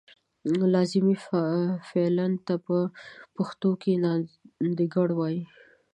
لازمي فعل ته په پښتو کې نالېږندکړ وايي.